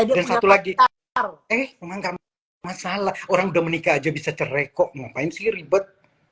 ada satu lagi eh masalah orang udah menikah aja bisa cerai kok ngapain sih ribet